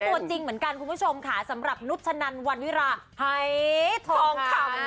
ตัวจริงเหมือนกันคุณผู้ชมค่ะสำหรับนุชนันวันวิราหายทองคำ